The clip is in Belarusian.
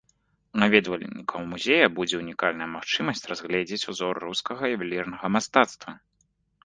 У наведвальнікаў музея будзе ўнікальная магчымасць разгледзець узор рускага ювелірнага мастацтва.